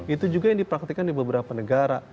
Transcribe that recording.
itu juga yang dipraktikan di beberapa negara